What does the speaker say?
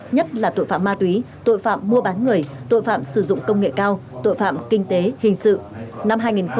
nhất là tội phạm ma túy tội phạm mua bán người tội phạm sử dụng công nghệ cao tội phạm kinh tế hình sự